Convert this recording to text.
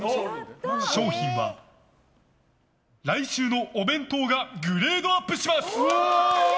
賞品は、来週のお弁当がグレードアップします！